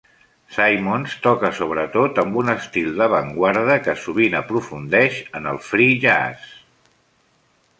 Simmons toca sobretot amb un estil d'avantguarda, que sovint aprofundeix en el "free-jazz".